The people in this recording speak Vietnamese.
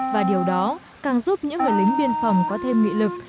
và điều đó càng giúp những người lính biên phòng có thêm nghị lực